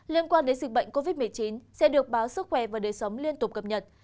liên quan đến dịch bệnh covid một mươi chín sẽ được báo sức khỏe và đời sống liên tục cập nhật